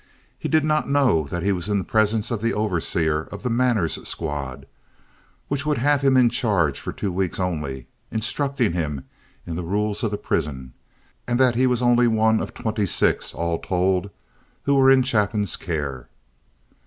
He did not know that he was in the presence of the overseer of the "manners squad," who would have him in charge for two weeks only, instructing him in the rules of the prison, and that he was only one of twenty six, all told, who were in Chapin's care.